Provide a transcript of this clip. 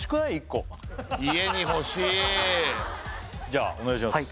１個じゃあお願いします